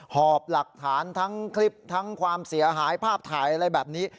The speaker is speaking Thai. หอบหลักฐานทั้งคลิปทั้งความเสียหายภาพถ่ายอะไรแบบนี้